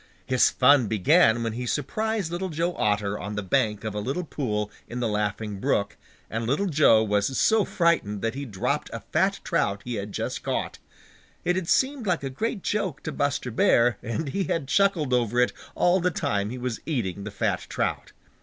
His fun began when he surprised Little Joe Otter on the bank of a little pool in the Laughing Brook and Little Joe was so frightened that he dropped a fat trout he had just caught. It had seemed like a great joke to Buster Bear, and he had chuckled over it all the time he was eating the fat trout.